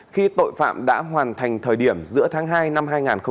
khi tội phạm đã hoàn thành thời điểm giữa tháng hai năm hai nghìn một mươi sáu